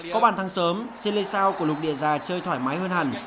có bàn thắng sớm xin lê sao của lục địa già chơi thoải mái hơn hẳn